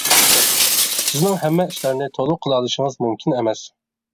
سىزنىڭ ھەممە ئىشلارنى تولۇق قىلالىشىڭىز مۇمكىن ئەمەس.